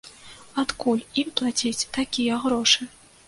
Адкуль ім плаціць такія грошы?